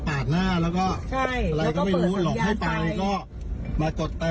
ฟอน่ากลิบเข้าไป